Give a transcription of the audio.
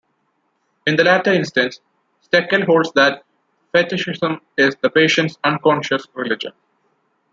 In the latter instance, 'Stekel holds that fetichism is the patient's unconscious religion'.